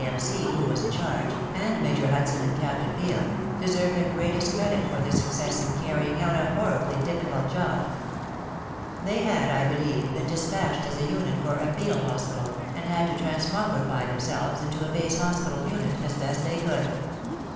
M. C, who was in charge, and Major Hudson and Captain Byam, deserve the greatest credit for their success in carrying out a horribly difficult job. They had, I believe, been dispatched as a unit for a field hospital, and had to transmogrify themselves into a base hospital unit as best they could.